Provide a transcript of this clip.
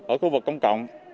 ở khu vực công cộng